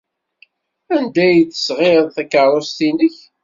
Anda ay d-tesɣiḍ takeṛṛust-nnek?